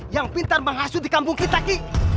yang pintar mengasuh di kampung kita kek